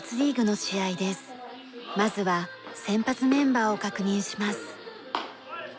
まずは先発メンバーを確認します。